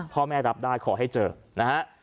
พ่อแม่รับได้ขอให้เจอนะฮะ